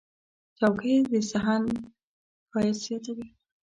چوکۍ د صحن ښایست زیاتوي.